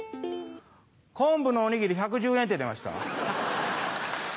「昆布のおにぎり１１０円」って出ました。